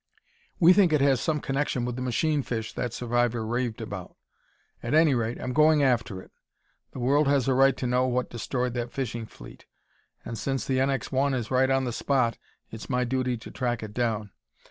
We think it has some connection with the 'machine fish' that survivor raved about. At any rate, I'm going after it. The world has a right to know what destroyed that fishing fleet, and since the NX 1 is right on the spot it's my duty to track it down.